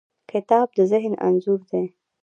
کتاب د ذهن انځور دی.